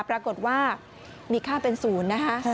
ปรากฏว่ามีค่าเป็น๐นะคะ